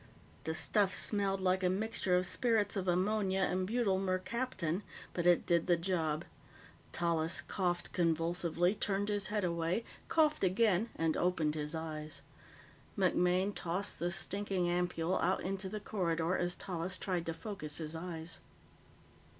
The stuff smelled like a mixture of spirits of ammonia and butyl mercaptan, but it did the job. Tallis coughed convulsively, turned his head away, coughed again, and opened his eyes. MacMaine tossed the stinking ampoule out into the corridor as Tallis tried to focus his eyes.